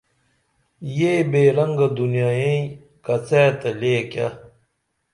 یہ بے رنگہ دنیائیں کڅہ تہ لے کیہ